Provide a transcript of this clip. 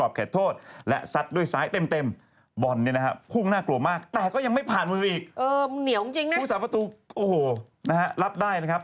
ผู้สาประตูโอ้โหนะฮะรับได้นะครับ